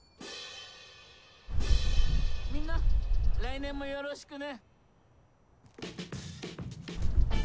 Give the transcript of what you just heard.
みんな来年もよろしくね。